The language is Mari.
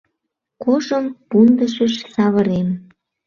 Кожым пундышыш савырем.